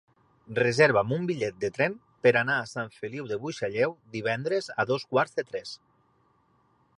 Reserva'm un bitllet de tren per anar a Sant Feliu de Buixalleu divendres a dos quarts de tres.